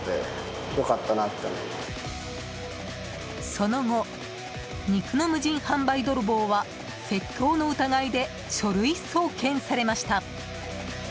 その後、肉の無人販売泥棒は窃盗の疑いで書類送検されました。